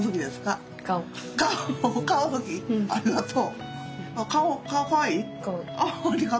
ありがとう。